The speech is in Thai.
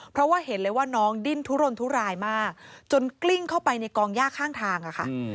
เพราะว่าเห็นเลยว่าน้องดิ้นทุรนทุรายมากจนกลิ้งเข้าไปในกองย่าข้างทางอะค่ะ